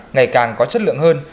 ngày càng có chất lượng hơn